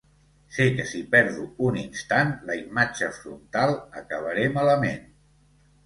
Sé que si perdo un instant la imatge frontal acabaré malament.